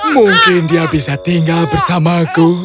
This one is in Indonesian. mungkin dia bisa tinggal bersamaku